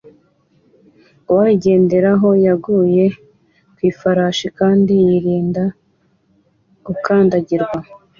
Uwayigenderaho yaguye ku ifarashi kandi yirinda gukandagirwa